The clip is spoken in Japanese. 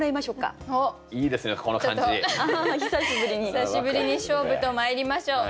久しぶりに勝負とまいりましょう。